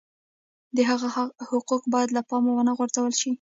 د هغه حقوق باید له پامه ونه غورځول شي.